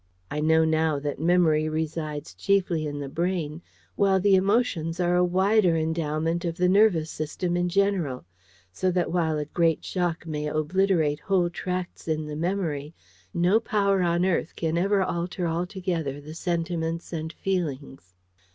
I know now that memory resides chiefly in the brain, while the emotions are a wider endowment of the nervous system in general; so that while a great shock may obliterate whole tracts in the memory, no power on earth can ever alter altogether the sentiments and feelings.